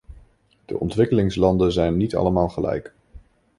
De ontwikkelingslanden zijn niet allemaal gelijk.